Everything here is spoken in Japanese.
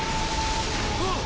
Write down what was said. あっ！